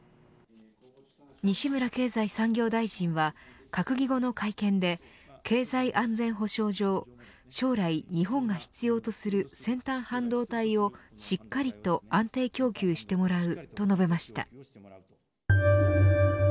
西村経済産業大臣は閣議後の会見で経済安全保障上将来、日本が必要とする先端半導体をしっかりと安定供給してもらうと述べました。